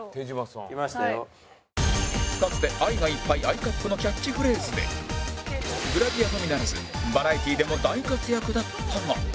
かつて「愛がいっぱい Ｉ カップ」のキャッチフレーズでグラビアのみならずバラエティでも大活躍だったが